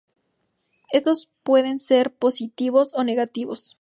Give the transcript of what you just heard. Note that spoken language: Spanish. Estos pueden ser positivos o negativos.